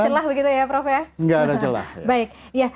tidak ada celah